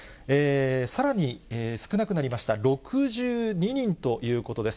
さらに少なくなりました、６２人ということです。